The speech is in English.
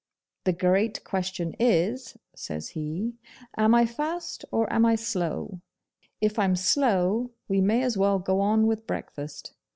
'The great question is,' says he, 'am I fast or am I slow? If I'm slow, we may as well go on with breakfast.